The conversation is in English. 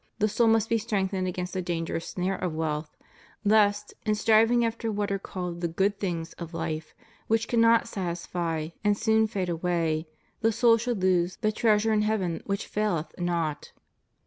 the soul must be strengthened against the dangerous snare of wealth, lest, in striving after what are called the good things of life, which cannot satisfy and soon fade away, the soul should lose the treasure in heaven which faileth not.